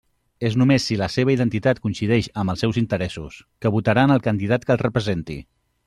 És només si la seva identitat coincideix amb els seus interessos, que votaran el candidat que els representi.